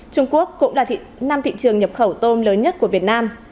trung quốc cũng là năm thị trường nhập khẩu tôm lớn nhất của việt nam